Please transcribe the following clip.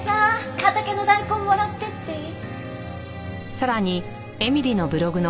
畑の大根もらっていっていい？